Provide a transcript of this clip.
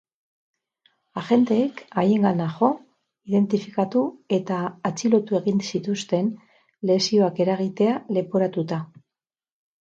Agenteek haiengana jo, identifikatu eta atxilotu egin zituzten, lesioak eragitea leporatuta.